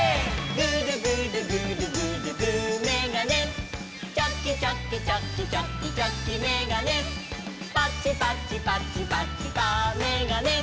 「グルグルグルグルグーめがね」「チョキチョキチョキチョキチョキめがね」「パチパチパチパチパーめがね」